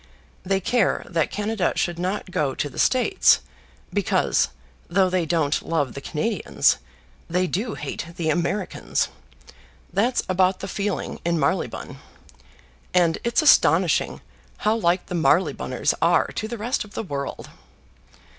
They care that Canada should not go to the States, because, though they don't love the Canadians, they do hate the Americans. That's about the feeling in Marylebone, and it's astonishing how like the Maryleboners are to the rest of the world."